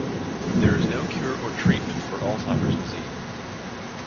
There is no cure or treatment for Alzheimer’s disease.